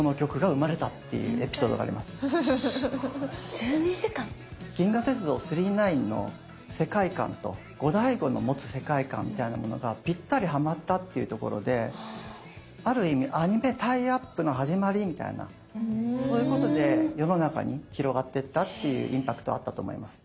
１２時間⁉「銀河鉄道９９９」の世界観とゴダイゴの持つ世界観みたいなものがぴったりはまったっていうところである意味アニメタイアップの始まりみたいなそういうことで世の中に広がってったっていうインパクトあったと思います。